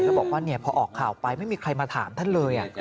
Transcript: แล้วบอกว่าพอออกข่าวไปไม่มีใครมาถามท่านเลย